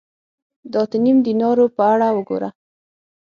د اته نیم دینارو په اړه وګوره